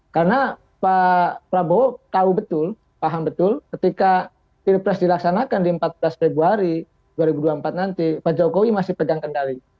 karena pak prabowo tahu betul paham betul ketika pilpres dilaksanakan di empat belas februari dua ribu dua puluh empat nanti pak jokowi masih pegang kendali